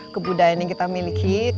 kebudayaan yang kita miliki